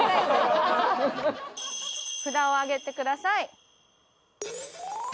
札を上げてください。